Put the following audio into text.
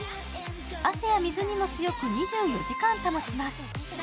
汗や水にも強く、２４時間保ちます。